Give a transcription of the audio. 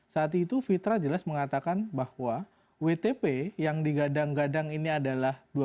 saat itu fitra jelas mengatakan bahwa wtp yang digadang gadang ini adalah